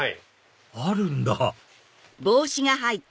あるんだ